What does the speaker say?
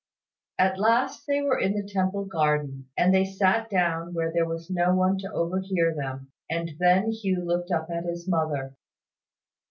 At last they were in the Temple Garden; and they sat down where there was no one to overhear them; and then Hugh looked up at his mother.